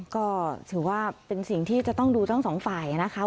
ก็ถือว่าเป็นสิ่งที่จะต้องดูทั้งสองฝ่ายนะคะ